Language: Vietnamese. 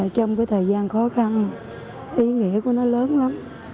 trong cái thời gian khó khăn ý nghĩa của nó lớn lắm